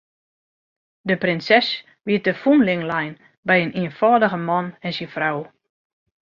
De prinses wie te fûnling lein by in ienfâldige man en syn frou.